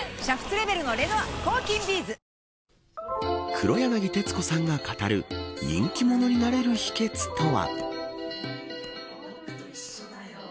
黒柳徹子さんが語る人気者になれる秘訣とは。